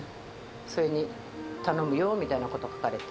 それに頼むよみたいなこと書かれて。